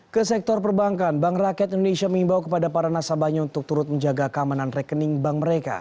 ke sektor perbankan bank rakyat indonesia mengimbau kepada para nasabahnya untuk turut menjaga keamanan rekening bank mereka